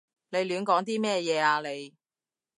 你亂講啲乜嘢啊你？